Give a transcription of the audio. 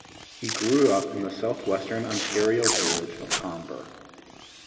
He grew up in the southwestern Ontario village of Comber.